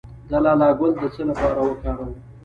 د لاله ګل د څه لپاره وکاروم؟